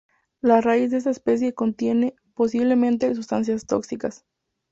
La raíz de esta especie contiene, posiblemente, sustancias tóxicas.